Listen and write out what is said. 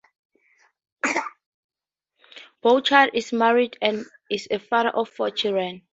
Bouchard is married and is a father of four children.